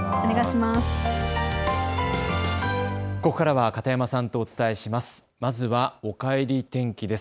ここからは片山さんとお伝えします。